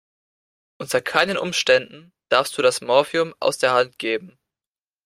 Unter keinen Umständen darfst du das Morphium aus der Hand geben.